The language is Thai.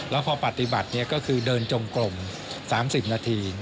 แล้วพอปฏิบัติก็คือเดินจงกลม๓๐นาที